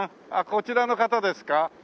こちらの方ですか？